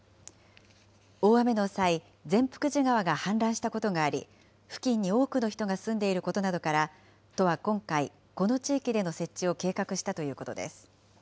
大雨の際、善福寺川が氾濫したことがあり、付近に多くの人が住んでいることなどから、都は今回、この地域での設置を計画したということです。